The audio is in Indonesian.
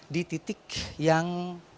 di titik yang